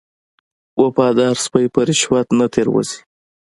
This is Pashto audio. وفادار سپی په رشوت نه تیر وځي.